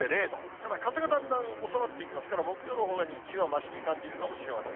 ただ、風がだんだん収まっていきますから、木曜のほうが日中はましに感じるかもしれません。